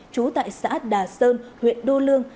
chú tại xã đà sơn huyện đô lương